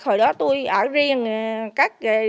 hồi đó tôi ở riêng cắt